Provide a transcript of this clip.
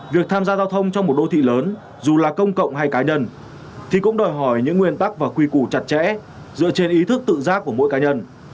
việc tham gia giao thông trong một đô thị lớn dù là công cộng hay cá nhân thì cũng đòi hỏi những nguyên tắc và quy củ chặt chẽ dựa trên ý thức tự giác của mỗi cá nhân